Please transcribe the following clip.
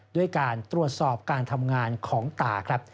ด้วยการตรวจสอบการทำงานของตาครับ